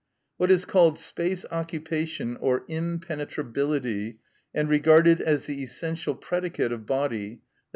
What is called space occupation, or impenetrability, and regarded as the essential predicate of body (_i.